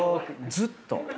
ずっと。